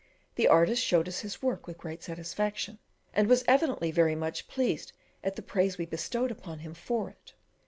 The artist showed us his work with great satisfaction, and was evidently very much pleased at the praise we bestowed upon him for it.